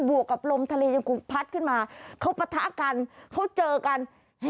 วกกับลมทะเลยังคงพัดขึ้นมาเขาปะทะกันเขาเจอกัน